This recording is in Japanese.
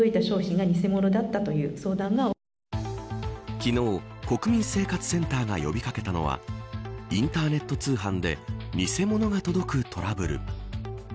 昨日、国民生活センターが呼び掛けたのはインターネット通販で偽物が届くトラブル。